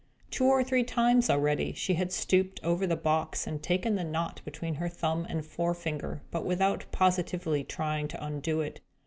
Two or three times, already, she had stooped over the box, and taken the knot between her thumb and forefinger, but without positively trying to undo it.